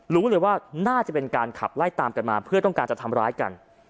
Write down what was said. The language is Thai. รู้เลยว่าน่าจะเป็นการขับไล่ตามกันมาเพื่อต้องการจะทำร้ายกัน